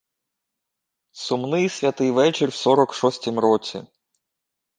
Сумний святий вечір в сорок шостім році.